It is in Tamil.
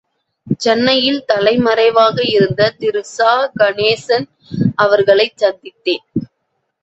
சென்னையில் தலைமறைவாக இருந்த திரு சா.கணேசன் அவர்களைச்சந்தித்தேன்.